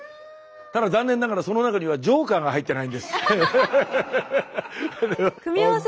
ただ残念ながらその中にはジョーカーが入ってないんです。